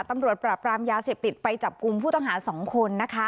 ตำรวจปราบรามยาเสพติดไปจับกลุ่มผู้ต้องหา๒คนนะคะ